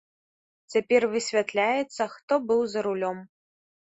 Цяпер высвятляецца, хто быў за рулём.